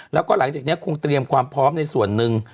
แล้วก็หลังจากนี้คงเตรียมความพร้อมในส่วนหนึ่ง